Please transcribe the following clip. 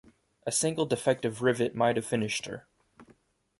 A single defective rivet might have finished her.